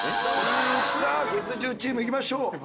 さあ月１０チームいきましょう。